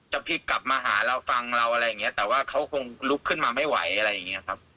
พี่กลับมาหาเราฟังเราอะไรอย่างเงี้ยแต่ว่าเขาคงลุกขึ้นมาไม่ไหวอะไรอย่างเงี้ยครับ